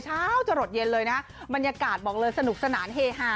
เช้าจะหลดเย็นเลยนะฮะบรรยากาศบอกเลยสนุกสนานเฮฮา